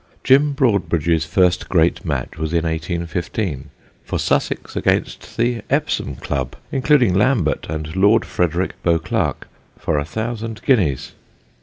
Jim Broadbridge's first great match was in 1815, for Sussex against the Epsom Club, including Lambert and Lord Frederick Beauclerk, for a Thousand Guineas.